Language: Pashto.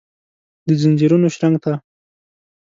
دځنځیرونو شرنګ ته ،